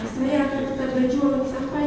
saya akan tetap berjuang sampai